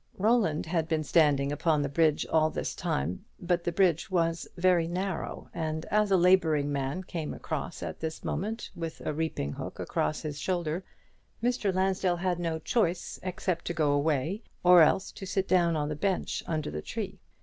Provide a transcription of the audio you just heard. Roland had been standing upon the bridge all this time; but the bridge was very narrow, and as a labouring man came across at this moment with a reaping hook across his shoulder, Mr. Lansdell had no choice except to go away, or else sit down on the bench under the tree.